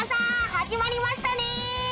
始まりましたね！